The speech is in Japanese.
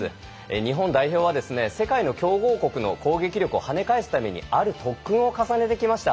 日本代表は世界の強豪国の攻撃力をはね返すためにある特訓を重ねてきました。